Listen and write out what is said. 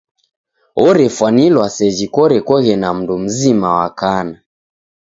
Ofwanilwa seji korekoghe na mndu mzima wa kana.